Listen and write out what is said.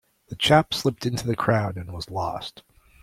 The chap slipped into the crowd and was lost.